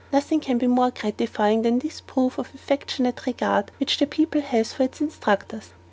Nothing can be more gratifying than this proof of the affectionate regard which the people has for its instructors.